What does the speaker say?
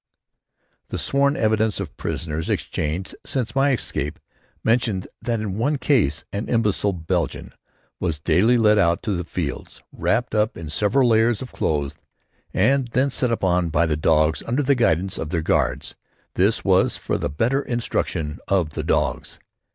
The sworn evidence of prisoners exchanged since my escape mentions that in one case an imbecile Belgian was daily led out to the fields, wrapped up in several layers of clothes and then set upon by the dogs under the guidance of their guards; this was for the better instruction of the dogs.